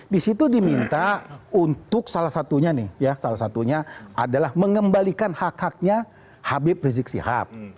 di situ diminta untuk salah satunya nih ya salah satunya adalah mengembalikan hak haknya habib rizik sihab